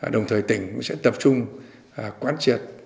đồng thời tỉnh cũng sẽ tập trung quán triệt